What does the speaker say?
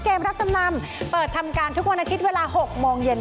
เกมรับจำนำเปิดทำการทุกวันอาทิตย์เวลา๖โมงเย็น